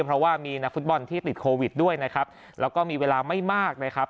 เพราะว่ามีนักฟุตบอลที่ติดโควิดด้วยนะครับแล้วก็มีเวลาไม่มากนะครับ